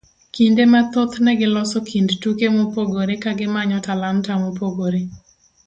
Kinde mathoth ne giloso kind tuke mopogore kagimanyo talanta mopogore.